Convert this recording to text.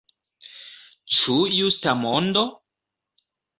Ĉu justa mondo?